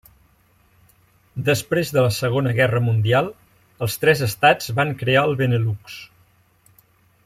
Després de la Segona Guerra Mundial els tres estats van crear el Benelux.